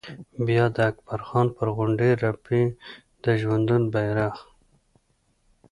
بیا د اکبر خان پر غونډۍ رپي د ژوندون بيرغ